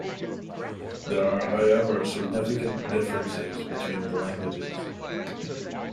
There are however significant differences between the languages.